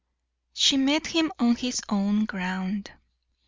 She met him on his own ground.